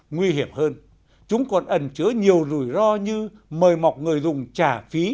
nguy hiểm hơn chúng còn ẩn chứa nhiều rủi ro như mời mọc người dùng trả phí